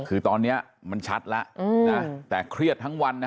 คือตอนนี้มันชัดแล้วนะแต่เครียดทั้งวันนะ